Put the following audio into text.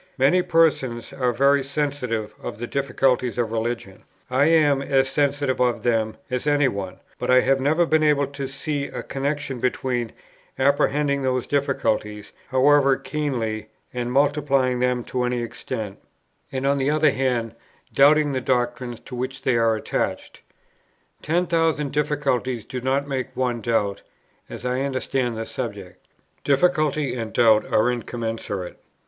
Many persons are very sensitive of the difficulties of Religion; I am as sensitive of them as any one; but I have never been able to see a connexion between apprehending those difficulties, however keenly, and multiplying them to any extent, and on the other hand doubting the doctrines to which they are attached. Ten thousand difficulties do not make one doubt, as I understand the subject; difficulty and doubt are incommensurate.